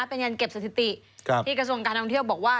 เป็นยันเก็บสถิติที่กระทรวงการท่องเที่ยวบอกว่า